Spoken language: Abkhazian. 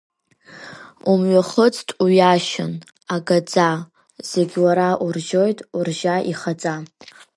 Умҩахыҵт уҩашьан, агаӡа, зегь уара уржьоит, уржьа ихаҵа!